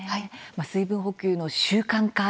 水分補給の習慣化